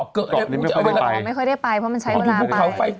ก็บอกก็ไปทำหน้ามา